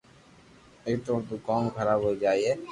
نيتوڙ تو ڪوم خراب ھوئي جائي